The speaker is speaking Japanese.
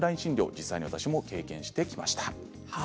実際に私も体験してきました。